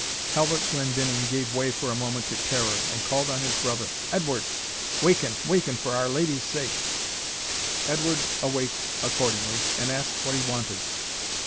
Halbert Glendinning gave way for a moment to terror, and called on his brother, "Edward! waken, waken, for Our Lady's sake!" Edward awaked accordingly, and asked what he wanted.